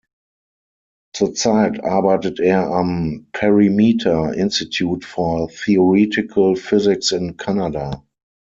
Zurzeit arbeitet er am Perimeter Institute for Theoretical Physics in Kanada.